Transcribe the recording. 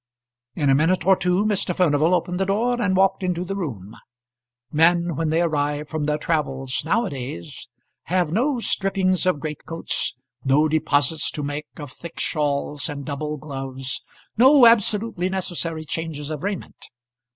In a minute or two Mr. Furnival opened the door and walked into the room. Men when they arrive from their travels now a days have no strippings of greatcoats, no deposits to make of thick shawls and double gloves, no absolutely necessary changes of raiment.